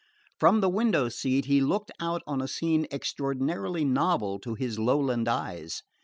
From the window seat he looked out on a scene extraordinarily novel to his lowland eyes.